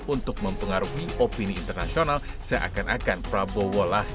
untuk mempengaruhi opini internasional seakan akan prabowo lah